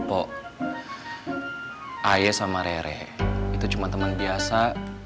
pok aya sama rere itu cuma teman biasa